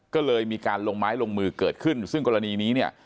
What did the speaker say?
ก็เลยมีการลงไม้ลงมือเกิดขึ้นซึ่งกรณีนี้เนี่ย